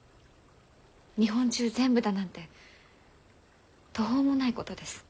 日本中全部だなんて途方もないことです。